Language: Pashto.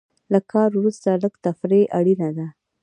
له کار وروسته لږه تفریح اړینه ده.